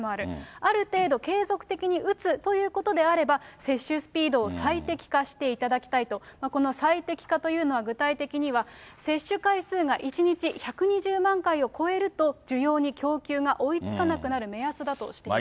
ある程度継続的に打つということであれば、接種スピードを最適化していただきたいと、この最適化というのは具体的には、接種回数が１日１２０万回を超えると、需要に供給が追いつかなくなる目安だとしています。